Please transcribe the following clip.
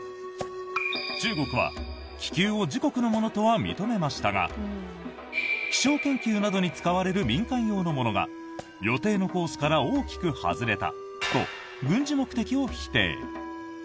中国は、気球を自国のものとは認めましたが気象研究などに使われる民間用のものが予定のコースから大きく外れたと軍事目的を否定。